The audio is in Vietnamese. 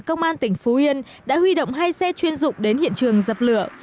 công an tỉnh phú yên đã huy động hai xe chuyên dụng đến hiện trường dập lửa